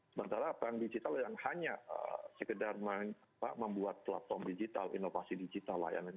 sementara bank digital yang hanya sekedar membuat platform digital inovasi digital layanan